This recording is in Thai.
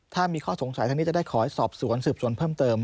ถ้ามีข้อสงสัยทางนี้จะได้ขอให้สอบสวนสืบสวนเพิ่มเติม